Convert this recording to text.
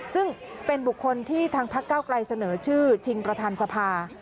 ซึ่งเป็นบุคคลที่ทางพักเก้าไกลเสนอชื่อชิงประธานสภา